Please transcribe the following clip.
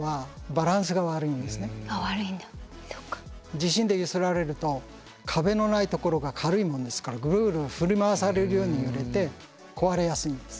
地震で揺すられると壁のないところが軽いもんですからグルグル振り回されるように揺れて壊れやすいんです。